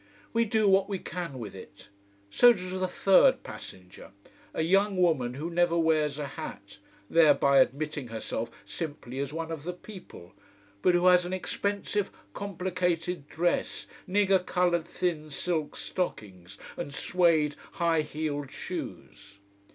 We do what we can with it. So does the third passenger: a young woman who never wears a hat, thereby admitting herself simply as one of "the people," but who has an expensive complicated dress, nigger coloured thin silk stockings, and suede high heeled shoes.